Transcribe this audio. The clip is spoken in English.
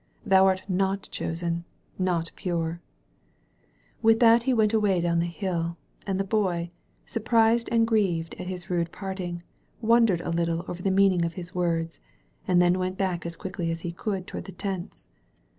Thou art not chosen — ^not pure ! With that he went away down the hill; and the Bqy, surprised and grieved at his rude parting, wondered a little over the meaning of his words, and then went back as quickly as he could toward the tents.